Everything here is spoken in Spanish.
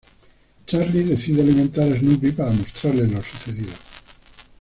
Charlie decide alimentar a Snoopy para mostrarle lo sucedido.